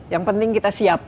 yang penting kita siap